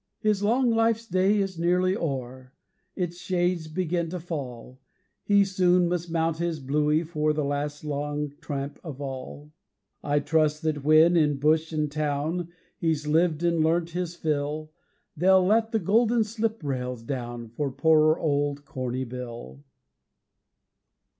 His long life's day is nearly o'er, Its shades begin to fall; He soon must mount his bluey for The last long tramp of all; I trust that when, in bush an' town, He's lived and learnt his fill, They'll let the golden slip rails down For poor old Corny Bill.